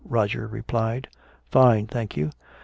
Roger replied. "Fine, thank you."